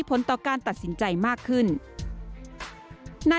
โปรดติดตามตอนต่อไป